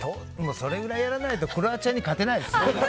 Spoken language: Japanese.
それぐらいやらないとクロアチアに勝てないですよ。